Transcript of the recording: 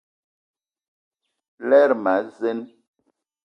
Lerma a zeen.